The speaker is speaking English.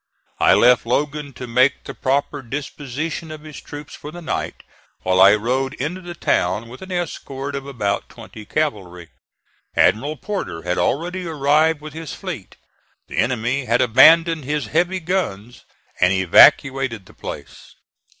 I left Logan to make the proper disposition of his troops for the night, while I rode into the town with an escort of about twenty cavalry. Admiral Porter had already arrived with his fleet. The enemy had abandoned his heavy guns and evacuated the place.